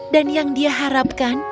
dan yang dia harapkan